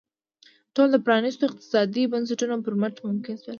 ټول د پرانیستو اقتصادي بنسټونو پر مټ ممکن شول.